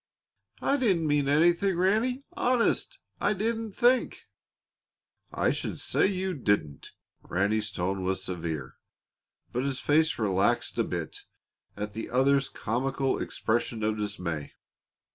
"I didn't mean anything, Ranny honest. I didn't think " "I should say you didn't!" Ranny's tone was severe, but his face relaxed a bit at the other's comical expression of dismay.